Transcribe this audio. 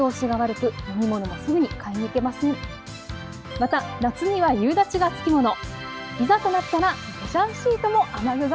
また夏には夕立がつきもの。